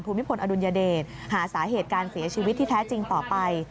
ภูมิพลอดุลยเดชหาสาเหตุการเสียชีวิตที่แท้จริงต่อไป